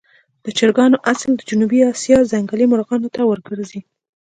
د چرګانو اصل د جنوبي آسیا ځنګلي مرغانو ته ورګرځي.